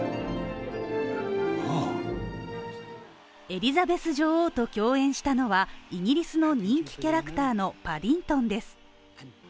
エリザベス女王と共演したのはイギリスの人気キャラクターのパディントンです。